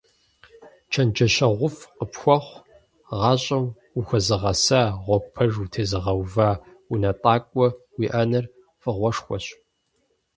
ЧэнджэщэгъуфӀ къыпхуэхъу, гъащӀэм ухуэзыгъасэ, гъуэгу пэж утезыгъэувэ унэтӀакӀуэ уиӀэныр фӀыгъуэшхуэщ.